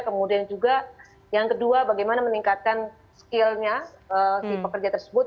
kemudian juga yang kedua bagaimana meningkatkan skill nya di pekerja tersebut